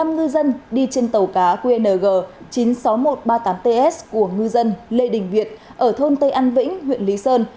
năm ngư dân đi trên tàu cá qng chín mươi sáu nghìn một trăm ba mươi tám ts của ngư dân lê đình việt ở thôn tây an vĩnh huyện lý sơn